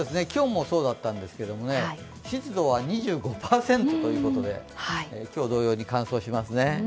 今日もそうだったんですけど、湿度は２５％ということで今日同様に乾燥しますね。